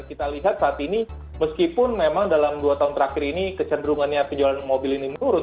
kita lihat saat ini meskipun memang dalam dua tahun terakhir ini kecenderungannya penjualan mobil ini menurun